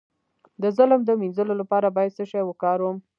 د ظلم د مینځلو لپاره باید څه شی وکاروم؟